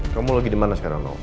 kamu lagi dimana sekarang no